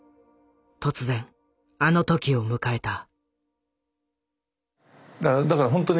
突然あの時を迎えた。